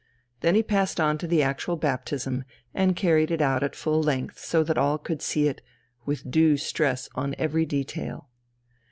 Then he passed on to the actual baptism, and carried it out at full length so that all could see it, with due stress on every detail.